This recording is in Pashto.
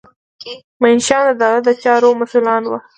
منشیان د دولت د چارو مسؤلان وو.